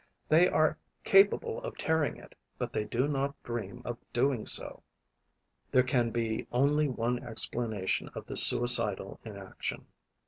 They are capable of tearing it, but they do not dream of doing so! There can be only one explanation of this suicidal inaction.